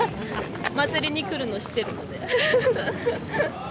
祭りに来るの知ってるので。